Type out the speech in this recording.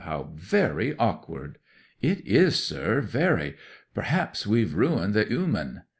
How very awkward!" '"It is, sir; very. Perhaps we've ruined the 'ooman!"